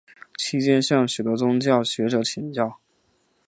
期间向许多宗教学者请教。